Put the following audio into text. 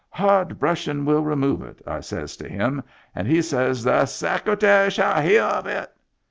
* Hard brushin' will remove it,' I says to him, and he says, * The Secretary shall hear of it